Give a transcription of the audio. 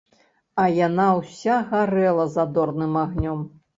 А яна ўся гарэла задорным агнём.